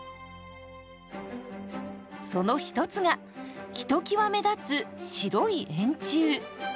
その一つがひときわ目立つ白い円柱。